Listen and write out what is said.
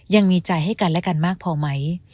ยังมีใจให้กันและกันมากพอไหม